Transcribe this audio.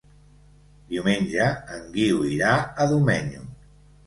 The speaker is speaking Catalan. Diumenge en Guiu irà a Domenyo.